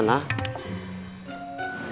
tinggal di sana